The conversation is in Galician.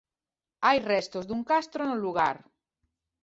Hai restos dun castro no lugar.